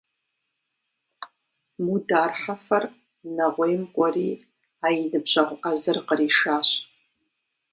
Мудар Хьэфэр Нэгъуейм кӀуэри а и ныбжьэгъу Ӏэзэр къришащ.